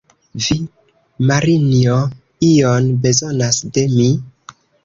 Vi, Marinjo, ion bezonas de mi?